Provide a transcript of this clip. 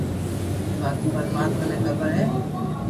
باقي پرماتما ني خبر ھي